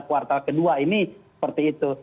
kuartal kedua ini seperti itu